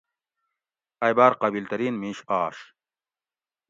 ائی باۤر قابل ترین مِیش آشو